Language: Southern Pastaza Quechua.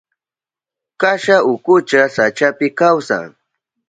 Kasha ukucha sachapi kawsan.